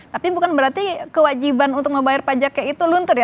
tapi bukan berarti kewajiban untuk membayar pajaknya itu luntur ya